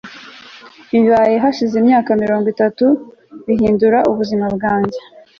bibaye hashize imyaka mirongo itatu bihindura ubuzima bwanjye